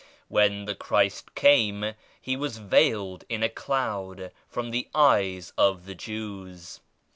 When the Christ came He was veiled in a cloud from the eyes of the Jews.